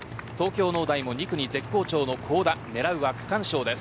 東京農大も２区に絶好調の幸田狙うは区間賞です。